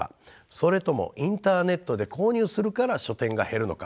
それともインターネットで購入するから書店が減るのか。